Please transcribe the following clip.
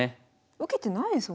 受けてないですもんね。